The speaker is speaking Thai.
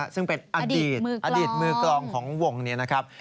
ซึ่งเป็นอดีตอดีตมือกลองของวงนี้นะครับ